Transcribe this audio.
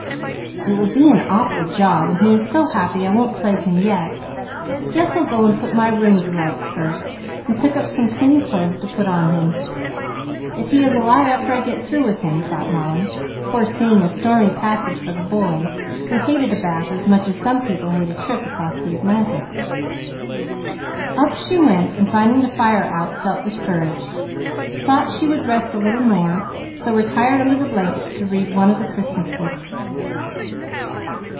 "It will be an awful job, and he is so happy I won't plague him yet. Guess I'll go and put my room to rights first, and pick up some clean clothes to put on him, if he is alive after I get through with him," thought Molly, foreseeing a stormy passage for the boy, who hated a bath as much as some people hate a trip across the Atlantic. Up she went, and finding the fire out felt discouraged, thought she would rest a little more, so retired under the blankets to read one of the Christmas books.